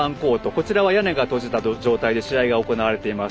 こちらは屋根が閉じた状態で試合が行われています。